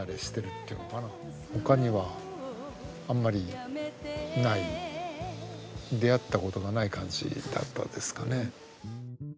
他にはあんまりない出会ったことがない感じだったですかね。